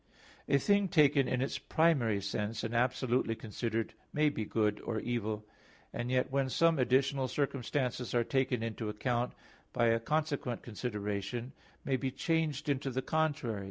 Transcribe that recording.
A thing taken in its primary sense, and absolutely considered, may be good or evil, and yet when some additional circumstances are taken into account, by a consequent consideration may be changed into the contrary.